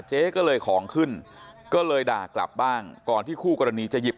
เจ๊ก็เลยของขึ้นก็เลยด่ากลับบ้างก่อนที่คู่กรณีจะหยิบ